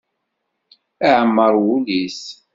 Iɛemmer wul-is.